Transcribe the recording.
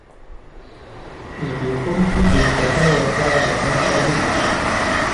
زبېښونکي بنسټونه ورسره له منځه نه ځي.